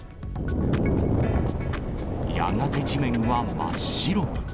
やがて地面は真っ白に。